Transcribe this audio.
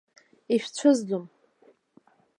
Ишәцәызӡом.